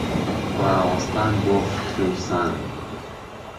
ڕاوەستان بۆ فکر و سان.